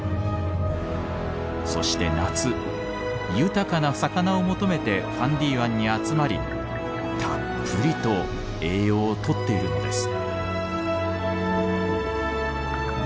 そして夏豊かな魚を求めてファンディ湾に集まりたっぷりと栄養をとっているのです。